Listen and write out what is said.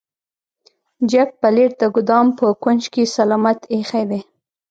جک پلیټ د ګدام په کونج کې سلامت ایښی دی.